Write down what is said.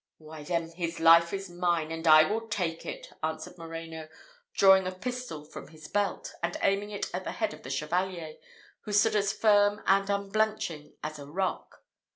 "Why then his life is mine, and I will take it," answered Moreno, drawing a pistol from his belt, and aiming at the head of the Chevalier, who stood as firm and unblenching as a rock.